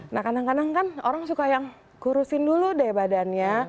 nah kadang kadang kan orang suka yang kurusin dulu deh badannya